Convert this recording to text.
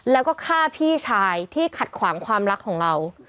แล้วก็ฆ่าพี่ชายที่ขัดขวางความรักของเรา